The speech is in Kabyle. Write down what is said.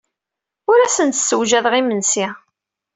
Ur asen-d-ssewjadeɣ imensi.